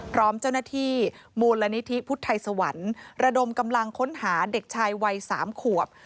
พร้อมเจ้าหน้าที่มูลนิธิพุทธไทยสวรรค์ระดมกำลังค้นหาเด็กชายวัย๓ขวบ